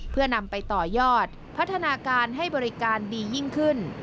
เพื่อนำไปต่อยอดพัฒนาการให้บริการดียิ่งขึ้น